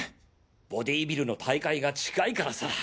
ボディビルの大会が近いからさ。